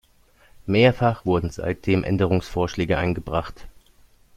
Mehrfach wurden seitdem Änderungsvorschläge eingebracht.